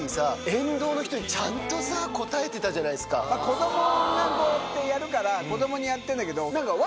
子供がこうやってやるから子供にやってんだけど。